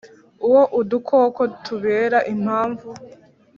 wowe udukoko tubera impamvu